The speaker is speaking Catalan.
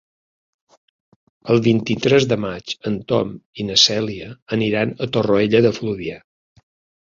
El vint-i-tres de maig en Tom i na Cèlia aniran a Torroella de Fluvià.